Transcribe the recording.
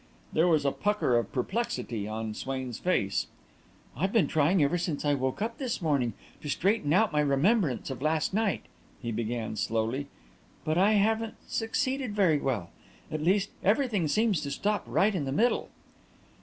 There was a pucker of perplexity on Swain's face. "I've been trying, ever since I woke up this morning, to straighten out my remembrance of last night," he began, slowly; "but I haven't succeeded very well. At least, everything seems to stop right in the middle."